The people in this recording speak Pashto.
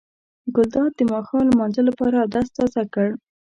ګلداد د ماښام لمانځه لپاره اودس تازه کړ.